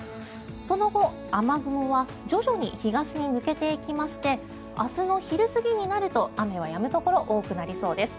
その後、雨雲は徐々に東に抜けていきまして明日の昼過ぎになると雨はやむところ多くなりそうです。